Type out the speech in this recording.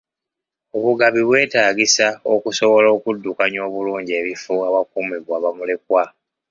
Obugabi bwetaagisa okusobola okuddukanya obulungi ebifo awakuumibwa bamulekwa.